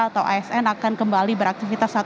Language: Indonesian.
atau asn akan kembali beraktivitas